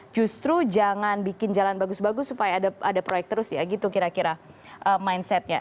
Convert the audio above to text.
justru jangan bikin jalan bagus bagus supaya ada proyek terus ya gitu kira kira mindsetnya